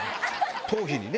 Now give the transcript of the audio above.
頭皮にね。